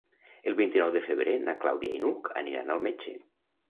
El vint-i-nou de febrer na Clàudia i n'Hug aniran al metge.